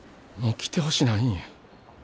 もう来てほしないんや。